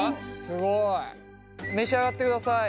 すごい。召し上がってください。